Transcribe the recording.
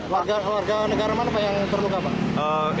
warga negara mana pak yang terluka pak